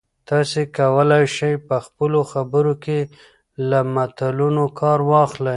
تاسي کولای شئ په خپلو خبرو کې له متلونو کار واخلئ.